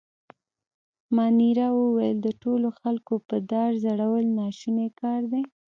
مانیرا وویل: د ټولو خلکو په دار ځړول ناشونی کار دی.